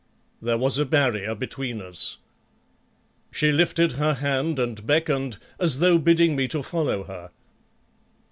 There was a barrier between us. She lifted her hand and beckoned as though bidding me to follow her.